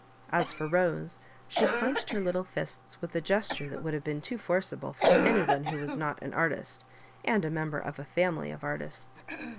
As for Bose, she clenched her little fists with a gesture that would have been too forcible for any one who was not an artist, and a member of a family of artists.